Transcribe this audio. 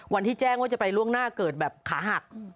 วันที่แจ้งว่าจะไปล่วงหน้าเกิดแบบขาหัก